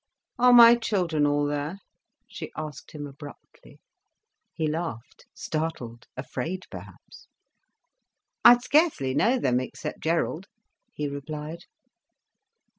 "Are my children all there?" she asked him abruptly. He laughed, startled, afraid perhaps. "I scarcely know them, except Gerald," he replied.